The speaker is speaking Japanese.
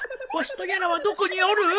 わしとやらはどこにおる？